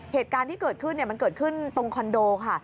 เหตุการณ์ที่เกิดขึ้นมันเกิดขึ้นตรงคอนโดค่ะ